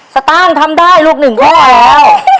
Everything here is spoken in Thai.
สตาร์งทำได้ลูกหนึ่งทั้งหมดแล้ว